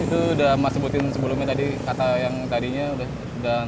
itu udah mas sebutin sebelumnya tadi kata yang tadinya udah